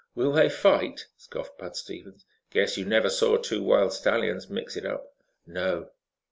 "Will they fight?" scoffed Bud Stevens. "Guess you never saw two wild stallions mix it up." "No."